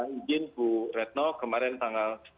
izin bu retno kemarin tanggal